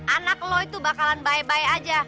anak lu itu bakalan bye bye aja